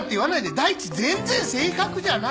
第一全然正確じゃない！